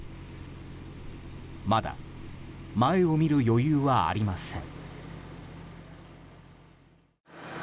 まだ前を見る余裕はありません。